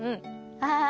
はい。